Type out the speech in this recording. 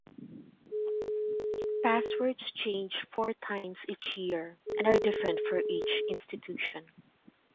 Passwords change four times each year and are different for each institution.